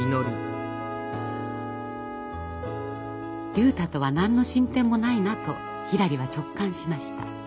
竜太とは何の進展もないなとひらりは直感しました。